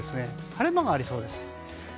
晴れ間がありそうです。